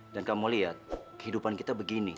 dan kamu lihat kehidupan kita begini